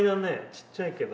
ちっちゃいけど。